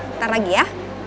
ntar lagi ya